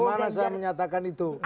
gimana saya menyatakan itu